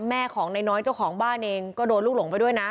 แม่ของนายน้อยเจ้าของบ้านเองก็โดนลูกหลงไปด้วยนะ